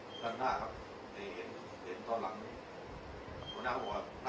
หลังจากนี้ก็ได้เห็นว่าหลังจากนี้ก็ได้เห็นว่า